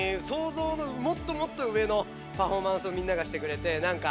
想像のもっともっと上のパフォーマンスをみんながしてくれて。